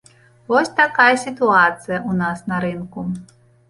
Вось такая сітуацыя ў нас на рынку.